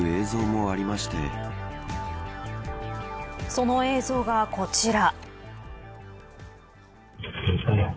その映像が、こちら。